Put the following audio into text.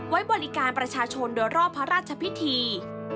ไว้บริการประชาชนโดยรอบพระราชพิธี